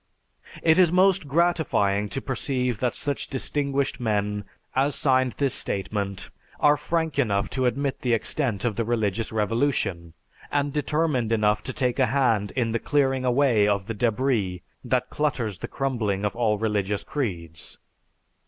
It is most gratifying to perceive that such distinguished men as signed this statement are frank enough to admit the extent of the religious revolution, and determined enough to take a hand in the clearing away of the débris that clutters the crumbling of all religious creeds.